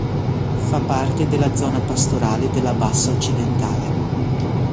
Fa parte della zona pastorale della Bassa Occidentale.